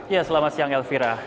ya selama siang elvira